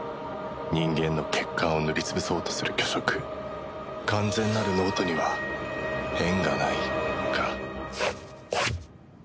人間の欠陥を塗り潰そうとする虚飾完全なる脳人には縁がないか